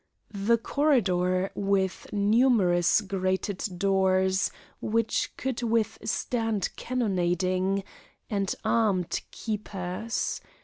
The corridor, with numerous grated doors, which could withstand cannonading and armed keepers.